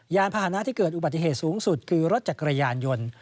พาหนะที่เกิดอุบัติเหตุสูงสุดคือรถจักรยานยนต์